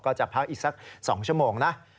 จะพักอีกสัก๒ชั่วโมงนะ